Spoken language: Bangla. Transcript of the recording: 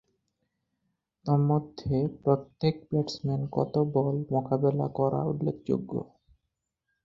তন্মধ্যে প্রত্যেক ব্যাটসম্যান কত বল মোকাবেলা করা উল্লেখযোগ্য।